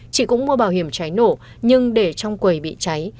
chị cũng mua bảo hiểm cháy nổ nhưng để trong quầy bị cháy